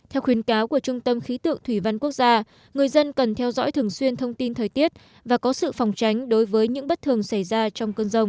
theo khuyến cáo của trung tâm khí tượng thủy văn quốc gia người dân cần theo dõi thường xuyên thông tin thời tiết và có sự phòng tránh đối với những bất thường xảy ra trong cơn rông